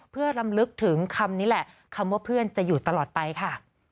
เพื่อรำลึกถึงคำนี้แหละคำว่าเพื่อนจะอยู่ตลอดไปค่ะ